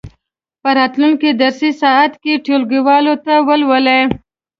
په راتلونکې درسي ساعت کې یې ټولګیوالو ته ولولئ.